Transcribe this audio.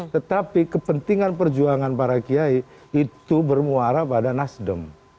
tetapi kepentingan perjuangan para kiai itu bermuara pada nasdem